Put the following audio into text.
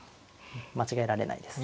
間違えられないです。